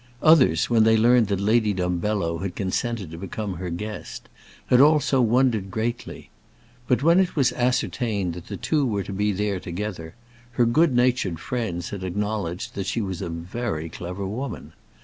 Others, when they learned that Lady Dumbello had consented to become her guest, had also wondered greatly. But when it was ascertained that the two were to be there together, her good natured friends had acknowledged that she was a very clever woman.